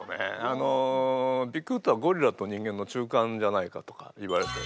あのビッグフットはゴリラと人間の中間じゃないかとかいわれて。